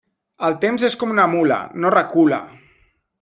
El temps és com la mula: no recula!